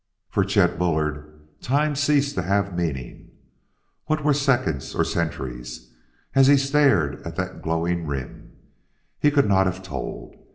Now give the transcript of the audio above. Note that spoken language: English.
For Chet Bullard, time ceased to have meaning; what were seconds or centuries as he stared at that glowing rim? He could not have told.